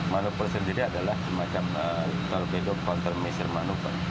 manuver sendiri adalah semacam torpedo countermeasure manuver